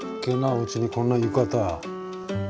うちにこんな浴衣。